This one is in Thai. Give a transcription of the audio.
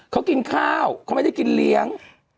เขากินข้าวเขาไม่ได้กินเลี้ยง